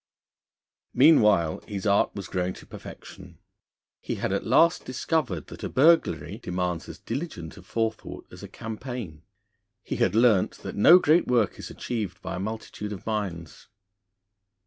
Meanwhile his art was growing to perfection. He had at last discovered that a burglary demands as diligent a forethought as a campaign; he had learnt that no great work is achieved by a multitude of minds.